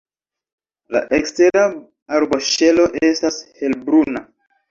La ekstera arboŝelo estas helbruna.